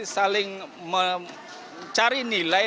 saling mencari nilai